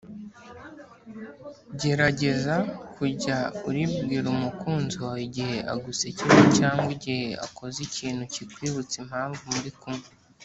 gerageza kujya uribwira umukunzi wawe igihe agusekeje cyangwa igihe akoze ikintu cyikwibutsa impamvu muri kumwe